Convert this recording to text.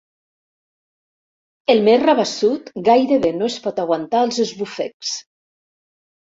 El més rabassut gairebé no es pot aguantar els esbufecs.